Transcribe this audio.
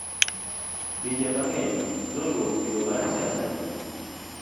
pinje mang'eny noluwo kido mar siasa ni